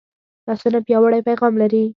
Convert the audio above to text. لاسونه پیاوړی پیغام لري